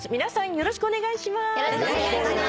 よろしくお願いします。